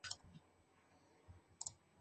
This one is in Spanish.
Noire" Ser.